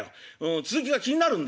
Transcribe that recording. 続きが気になるんだよ。